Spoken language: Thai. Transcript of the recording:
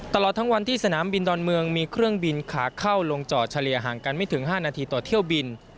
ตลอดทั้งวันที่สนามบินดอนเมืองมีเครื่องบินขาเข้าลงจอดเฉลี่ยห่างกันไม่ถึง๕นาทีต่อเที่ยวบิน